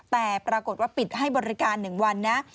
แต่ปรากฏว่าปิดให้บริการ๑วันนะ